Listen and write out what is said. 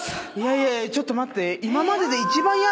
いやいやちょっと待って。